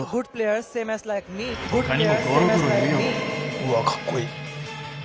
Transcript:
うわかっこいい。